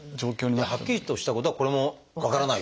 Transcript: じゃあはっきりとしたことはこれも分からないと。